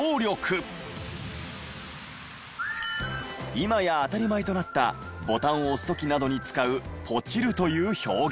今や当たり前となったボタンを押す時などに使う「ポチる」という表現。